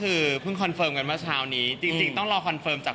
คือแม้ว่าจะมีการเลื่อนงานชาวพนักกิจแต่พิธีไว้อาลัยยังมีครบ๓วันเหมือนเดิม